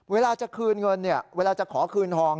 เวลาจะคืนเงินเนี่ยเวลาจะขอคืนทอง